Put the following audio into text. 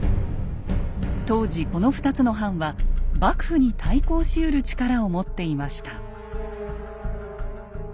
当時この２つの藩は幕府に対抗しうる力を持っていました。